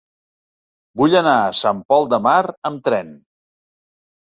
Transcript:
Vull anar a Sant Pol de Mar amb tren.